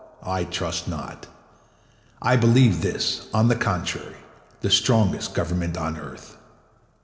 I trust not. I believe this, on the contrary, the strongest Government on earth.